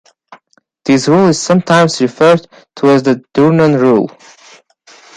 This rule is sometimes referred to as the Durnan Rule.